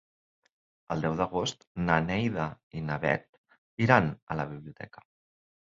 El deu d'agost na Neida i na Bet iran a la biblioteca.